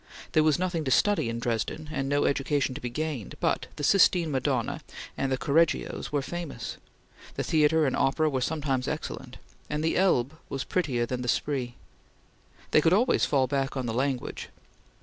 There was nothing to study in Dresden, and no education to be gained, but the Sistine Madonna and the Correggios were famous; the theatre and opera were sometimes excellent, and the Elbe was prettier than the Spree. They could always fall back on the language.